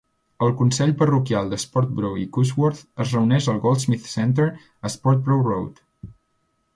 El Consell Parroquial de Sprotbrough i Cusworth es reuneix al Goldsmith Centre a Sprotbrough Road.